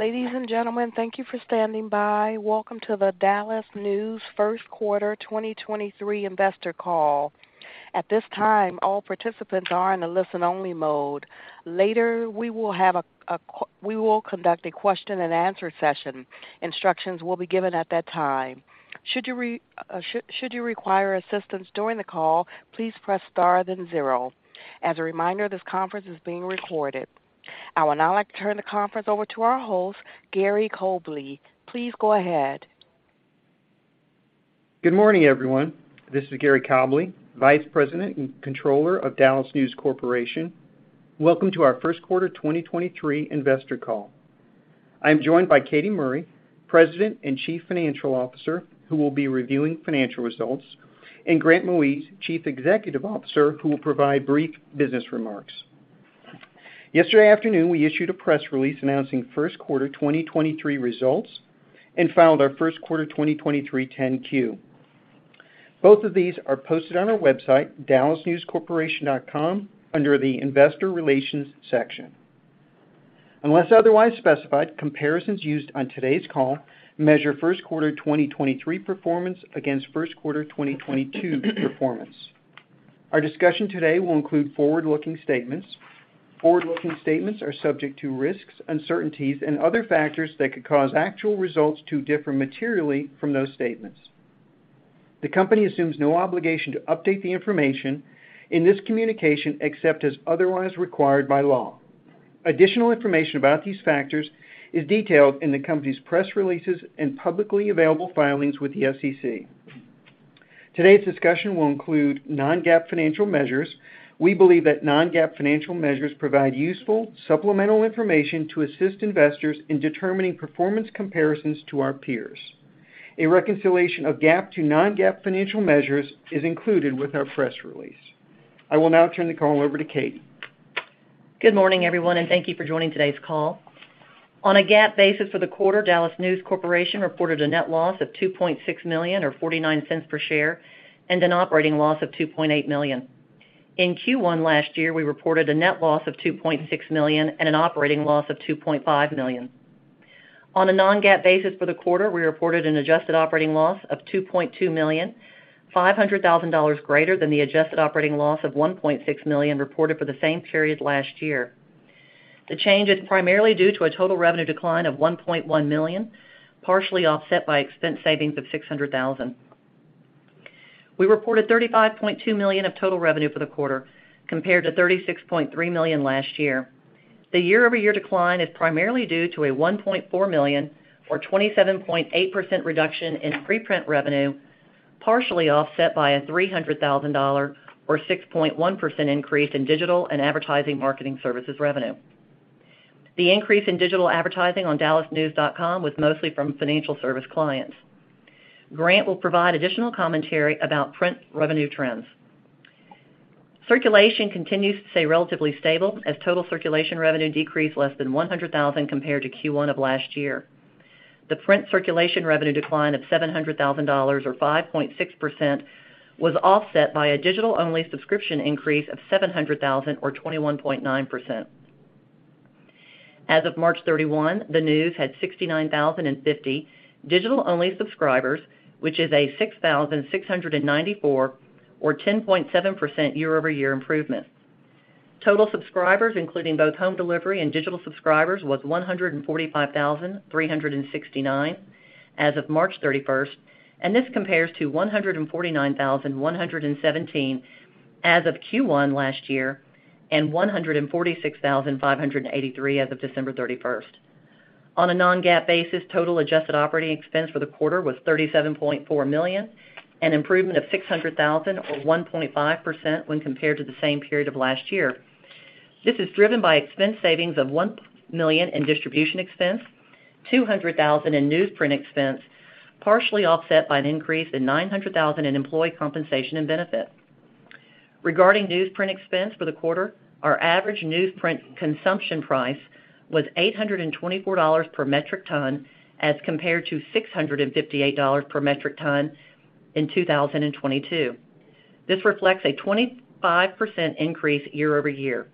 Ladies and gentlemen, thank you for standing by. Welcome to the Dallas News first quarter 2023 investor call. At this time, all participants are in a listen-only mode. Later, we will conduct a question-and-answer session. Instructions will be given at that time. Should you require assistance during the call, please press star then zero. As a reminder, this conference is being recorded. I would now like to turn the conference over to our host, Gary Cobleigh. Please go ahead. Good morning, everyone. This is Gary Cobleigh, Vice President and Controller of DallasNews Corporation. Welcome to our first quarter 2023 investor call. I am joined by Katy Murray, President and Chief Financial Officer, who will be reviewing financial results, and Grant Moise, Chief Executive Officer, who will provide brief business remarks. Yesterday afternoon, we issued a press release announcing first quarter 2023 results and filed our first quarter 2023 10-Q. Both of these are posted on our website, dallasnewscorporation.com, under the investor relations section. Unless otherwise specified, comparisons used on today's call measure first quarter 2023 performance against first quarter 2022 performance. Our discussion today will include forward-looking statements. Forward-looking statements are subject to risks, uncertainties, and other factors that could cause actual results to differ materially from those statements. The company assumes no obligation to update the information in this communication, except as otherwise required by law. Additional information about these factors is detailed in the company's press releases and publicly available filings with the SEC. Today's discussion will include non-GAAP financial measures. We believe that non-GAAP financial measures provide useful supplemental information to assist investors in determining performance comparisons to our peers. A reconciliation of GAAP to non-GAAP financial measures is included with our press release. I will now turn the call over to Katy. Good morning, everyone, and thank you for joining today's call. On a GAAP basis for the quarter, DallasNews Corporation reported a net loss of $2.6 million or $0.49 per share and an operating loss of $2.8 million. In Q1 last year, we reported a net loss of $2.6 million and an operating loss of $2.5 million. On a non-GAAP basis for the quarter, we reported an adjusted operating loss of $2.2 million, $500,000 greater than the adjusted operating loss of $1.6 million reported for the same period last year. The change is primarily due to a total revenue decline of $1.1 million, partially offset by expense savings of $600,000. We reported $35.2 million of total revenue for the quarter, compared to $36.3 million last year. The year-over-year decline is primarily due to a $1.4 million or 27.8% reduction in preprint revenue, partially offset by a $300,000 or 6.1% increase in digital and advertising marketing services revenue. The increase in digital advertising on DallasNews.com was mostly from financial service clients. Grant will provide additional commentary about print revenue trends. Circulation continues to stay relatively stable as total circulation revenue decreased less than $100,000 compared to Q1 of last year. The print circulation revenue decline of $700,000 or 5.6% was offset by a digital-only subscription increase of $700,000 or 21.9%. As of March 31, the news had 69,050 digital-only subscribers, which is a 6,694 or 10.7% year-over-year improvement. Total subscribers, including both home delivery and digital subscribers, was 145,369 as of March 31st. This compares to 149,117 as of Q1 last year and 146,583 as of December 31st. On a non-GAAP basis, total adjusted operating expense for the quarter was $37.4 million, an improvement of $600,000 or 1.5% when compared to the same period of last year. This is driven by expense savings of $1 million in distribution expense, $200,000 in newsprint expense, partially offset by an increase in $900,000 in employee compensation and benefits. Regarding newsprint expense for the quarter, our average newsprint consumption price was $824 per metric ton as compared to $658 per metric ton in 2022. This reflects a 25% increase year-over-year.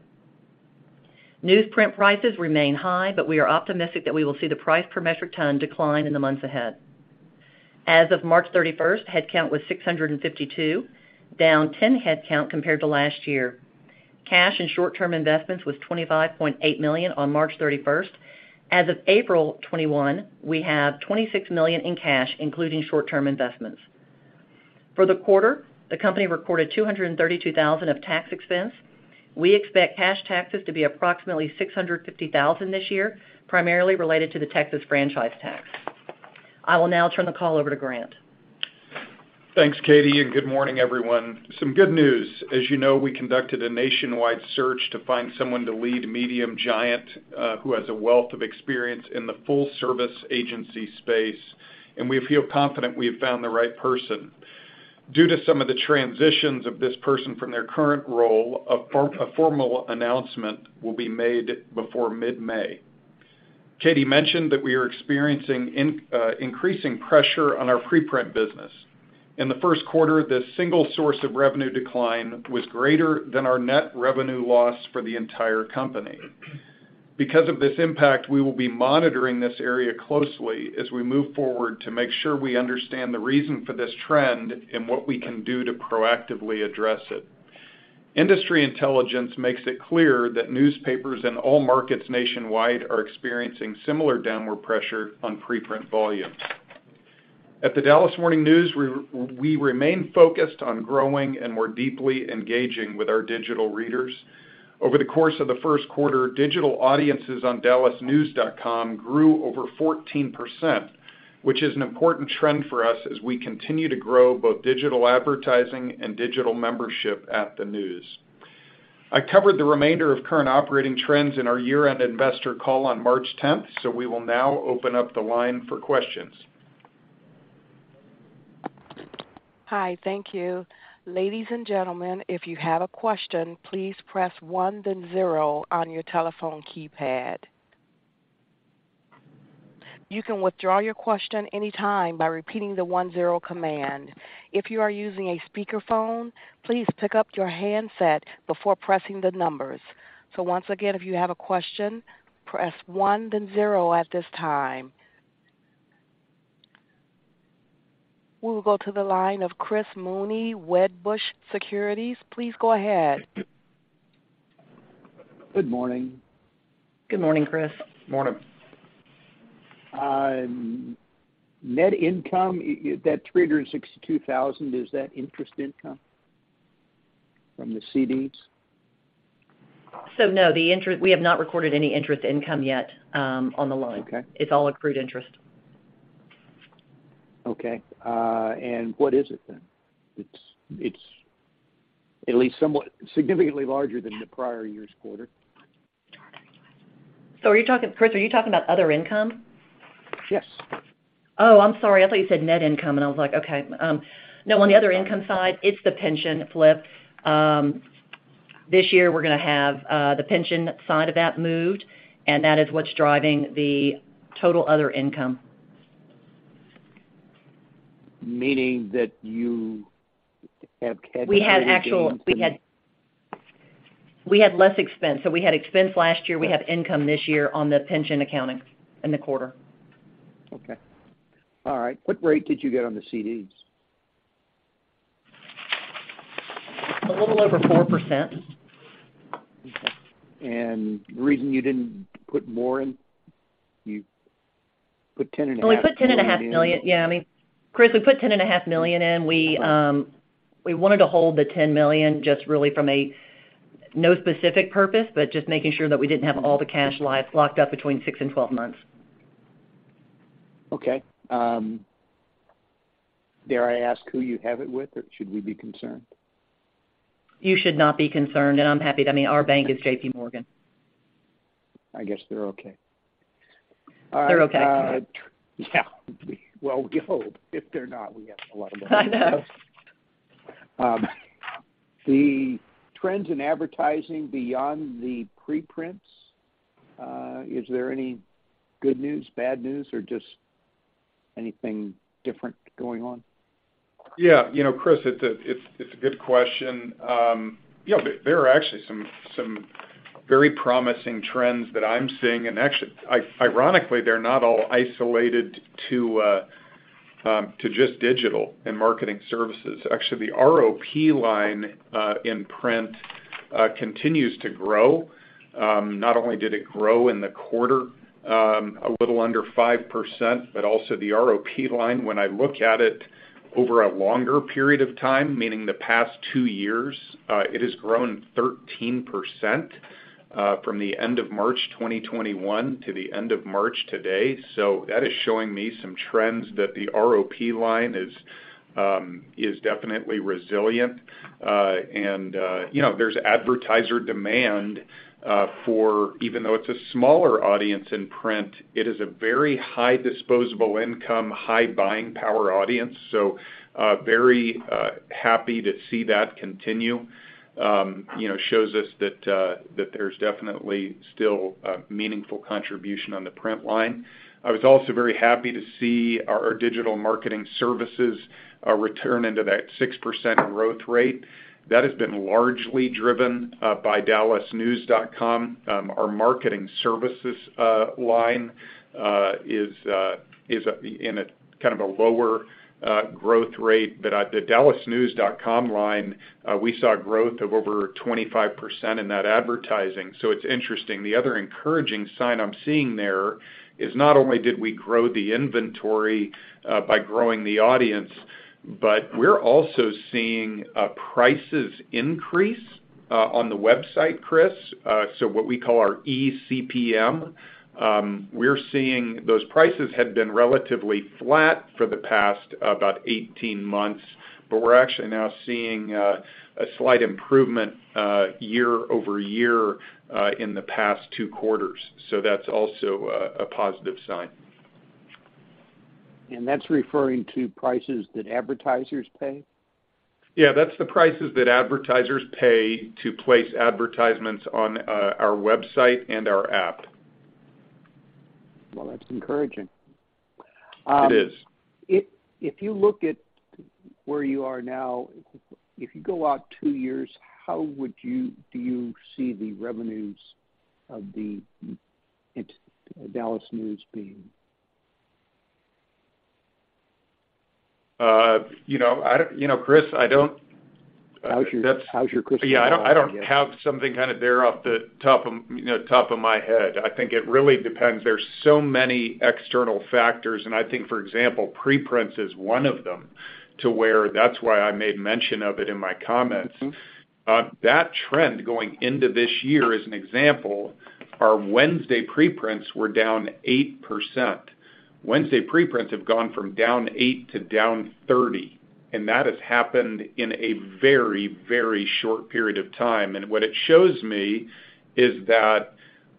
Newsprint prices remain high, but we are optimistic that we will see the price per metric ton decline in the months ahead. As of March 31st, headcount was 652, down 10 headcount compared to last year. Cash and short-term investments was $25.8 million on March 31st. As of April 21, we have $26 million in cash, including short-term investments. For the quarter, the company recorded $232,000 of tax expense. We expect cash taxes to be approximately $650,000 this year, primarily related to the Texas franchise tax. I will now turn the call over to Grant. Thanks, Katy, and good morning, everyone. Some good news. As you know, we conducted a nationwide search to find someone to lead Medium Giant who has a wealth of experience in the full service agency space, and we feel confident we have found the right person. Due to some of the transitions of this person from their current role, a formal announcement will be made before mid-May. Katy mentioned that we are experiencing increasing pressure on our preprint business In the first quarter, the single source of revenue decline was greater than our net revenue loss for the entire company. Because of this impact, we will be monitoring this area closely as we move forward to make sure we understand the reason for this trend and what we can do to proactively address it. Industry intelligence makes it clear that newspapers in all markets nationwide are experiencing similar downward pressure on preprint volume. At The Dallas Morning News, we remain focused on growing and more deeply engaging with our digital readers. Over the course of the first quarter, digital audiences on DallasNews.com grew over 14%, which is an important trend for us as we continue to grow both digital advertising and digital membership at The News. I covered the remainder of current operating trends in our year-end investor call on March tenth, so we will now open up the line for questions. Hi, thank you. Ladies and gentlemen, if you have a question, please press one then zero on your telephone keypad. You can withdraw your question anytime by repeating the one, zero command. If you are using a speakerphone, please pick up your handset before pressing the numbers. Once again, if you have a question, press one then zero at this time. We will go to the line of Chris Mooney, Wedbush Securities. Please go ahead. Good morning. Good morning, Chris. Morning. Net income, that $362,000, is that interest income from the CDs? No, we have not recorded any interest income yet, on the loan. Okay. It's all accrued interest. Okay. What is it then? It's at least somewhat significantly larger than the prior year's quarter. Chris, are you talking about other income? Yes. Oh, I'm sorry. I thought you said net income, and I was like, okay. No, on the other income side, it's the pension flip. This year, we're gonna have, the pension side of that moved, and that is what's driving the total other income. Meaning that you have had. We had less expense. We had expense last year, we have income this year on the pension accounting in the quarter. Okay. All right. What rate did you get on the CDs? A little over 4%. Okay. The reason you didn't put more in, you put ten and a half million dollars. Well, we put ten and a half million. Yeah. I mean, Chris, we put ten and a half million in. We wanted to hold the $10 million just really from a no specific purpose, but just making sure that we didn't have all the cash locked up between six and 12 months. Okay. dare I ask who you have it with, or should we be concerned? You should not be concerned, and I'm happy to. I mean, our bank is JPMorgan. I guess they're okay. They're okay. All right. Yeah. Well, we hope. If they're not, we have a lot of money. I know. The trends in advertising beyond the preprints, is there any good news, bad news, or just anything different going on? You know, Chris, it's a good question. There are actually some very promising trends that I'm seeing, and ironically, they're not all isolated to just digital and marketing services. Actually, the ROP line in print continues to grow. Not only did it grow in the quarter, a little under 5%, but also the ROP line, when I look at it over a longer period of time, meaning the past two years, it has grown 13% from the end of March 2021 to the end of March today. That is showing me some trends that the ROP line is definitely resilient. You know, there's advertiser demand for even though it's a smaller audience in print, it is a very high disposable income, high buying power audience. Very happy to see that continue. You know, shows us that there's definitely still a meaningful contribution on the print line. I was also very happy to see our digital marketing services return into that 6% growth rate. That has been largely driven by DallasNews.com. Our marketing services line is in a kind of a lower growth rate. At the DallasNews.com line, we saw growth of over 25% in that advertising. It's interesting. The other encouraging sign I'm seeing there is not only did we grow the inventory, by growing the audience, but we're also seeing prices increase on the website, Chris. What we call our eCPM, we're seeing those prices had been relatively flat for the past about 18 months, but we're actually now seeing a slight improvement year-over-year in the past two quarters. That's also a positive sign. That's referring to prices that advertisers pay? Yeah. That's the prices that advertisers pay to place advertisements on, our website and our app. Well, that's encouraging. It is. If you look at where you are now, if you go out two years, how do you see the revenues of the Dallas News being? You know, I don't, you know, Chris, I don't. How's your, how's your crystal ball again? Yeah, I don't, I don't have something kinda there off the top of, you know, top of my head. I think it really depends. There's so many external factors, and I think, for example, preprints is one of them, to where that's why I made mention of it in my comments. Mm-hmm. That trend going into this year, as an example, our Wednesday preprints were down 8%. Wednesday preprints have gone from down eight to down 30, and that has happened in a very, very short period of time. What it shows me is that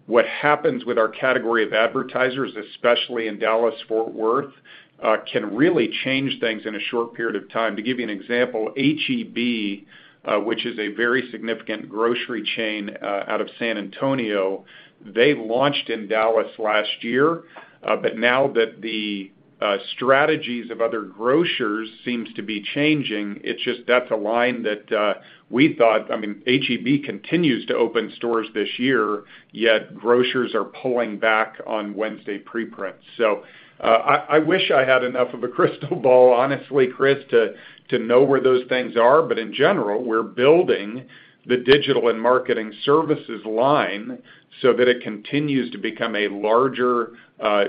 what happens with our category of advertisers, especially in Dallas-Fort Worth, can really change things in a short period of time. To give you an example, H-E-B, which is a very significant grocery chain, out of San Antonio, they launched in Dallas last year, but now that the strategies of other grocers seems to be changing, it's just that's a line that we thought. I mean, H-E-B continues to open stores this year, yet grocers are pulling back on Wednesday preprints. I wish I had enough of a crystal ball honestly, Chris, to know where those things are. In general, we're building the digital and marketing services line so that it continues to become a larger,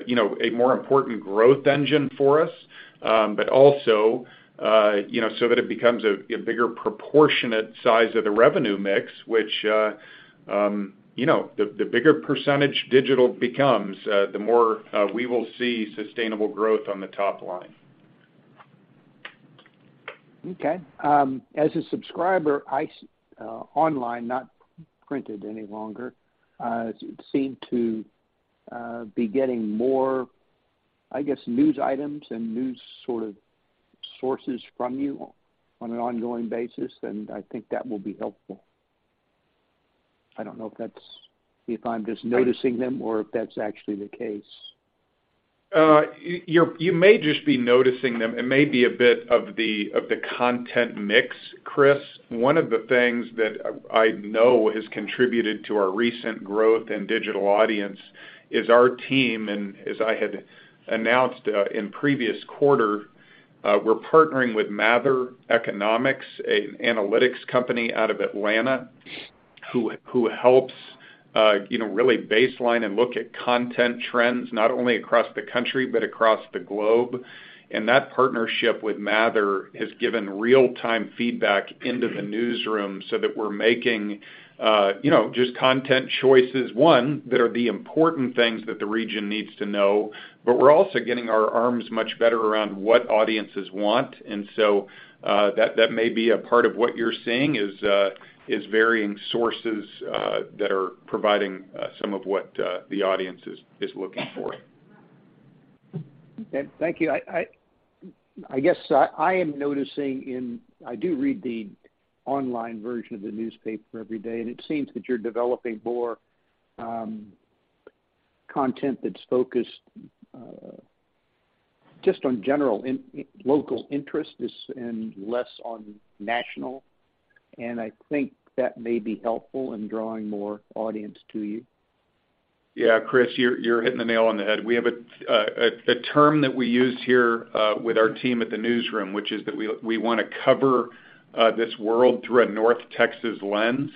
you know, a more important growth engine for us, but also, you know, so that it becomes a bigger proportionate size of the revenue mix, which, you know, the bigger percentage digital becomes, the more we will see sustainable growth on the top line. Okay. as a subscriber, online, not printed any longer, seem to be getting more, I guess, news items and news sort of sources from you on an ongoing basis. I think that will be helpful. I don't know if that's if I'm just noticing them or if that's actually the case. You may just be noticing them. It may be a bit of the, of the content mix, Chris. One of the things that I know has contributed to our recent growth in digital audience is our team, and as I had announced in previous quarter, we're partnering with Mather Economics, an analytics company out of Atlanta, who helps, you know, really baseline and look at content trends, not only across the country, but across the globe. That partnership with Mather has given real-time feedback into the newsroom so that we're making, you know, just content choices, one, that are the important things that the region needs to know, but we're also getting our arms much better around what audiences want. That may be a part of what you're seeing is varying sources that are providing some of what the audience is looking for. Thank you. I guess I am noticing. I do read the online version of The Dallas Morning News every day, and it seems that you're developing more content that's focused just on general local interests and less on national, and I think that may be helpful in drawing more audience to you. Yeah. Chris, you're hitting the nail on the head. We have a term that we use here with our team at the newsroom, which is that we wanna cover this world through a North Texas lens.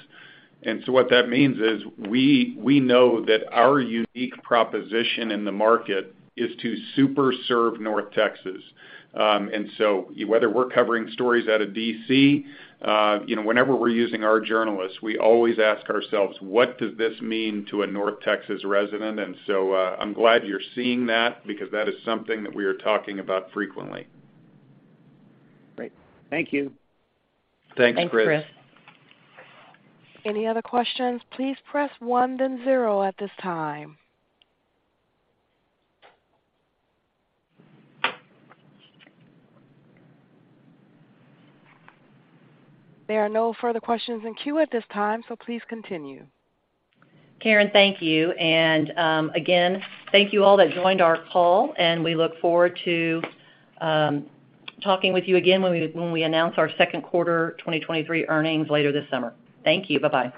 What that means is we know that our unique proposition in the market is to super serve North Texas. Whether we're covering stories out of D.C., you know, whenever we're using our journalists, we always ask ourselves: What does this mean to a North Texas resident? I'm glad you're seeing that because that is something that we are talking about frequently. Great. Thank you. Thanks, Chris. Thanks, Chris. Any other questions, please press one then zero at this time. There are no further questions in queue at this time. Please continue. Karen, thank you. Again, thank you all that joined our call, and we look forward to talking with you again when we announce our second quarter 2023 earnings later this summer. Thank you. Bye-bye.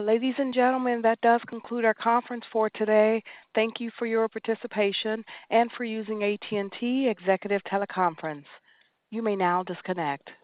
Ladies and gentlemen, that does conclude our conference for today. Thank you for your participation and for using AT&T Executive Teleconference. You may now disconnect.